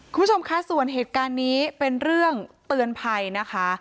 คุณผู้ชมคะส่วนเหตุการณ์นี้เป็นเรื่องเตือนภัยนะคะ